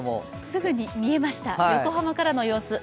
すぐに見えました、横浜からの様子。